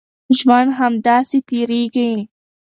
ژوند همداسې تېرېږي.